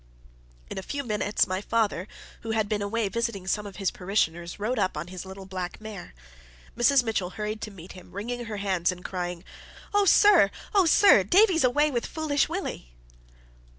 In a few minutes, my father, who had been away visiting some of his parishioners, rode up on his little black mare. Mrs. Mitchell hurried to meet him, wringing her hands, and crying "Oh, sir! oh, sir! Davie's away with Foolish Willie!"